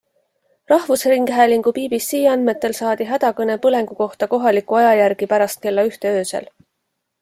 Rahvusringhäälingu BBC andmetel saadi hädakõne põlengu kohta kohaliku aja järgi pärast kella ühte öösel.